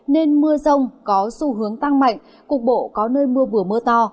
nên mưa rông có xu hướng tăng mạnh cục bộ có nơi mưa vừa mưa to